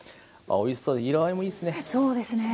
あおいしそうで色合いもいいですね。